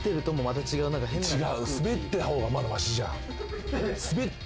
スベってる方がまだマシじゃん。